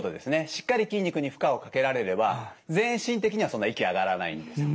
しっかり筋肉に負荷をかけられれば全身的にはそんな息上がらないんですよ。